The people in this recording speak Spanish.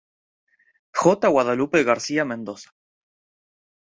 J. Guadalupe García Mendoza.